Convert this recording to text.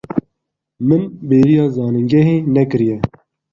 Min bêriya zanîngehê nekiriye.